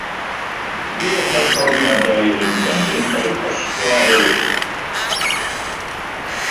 Golygir y perfformiadau hyn ganddynt a'u postio ar y we.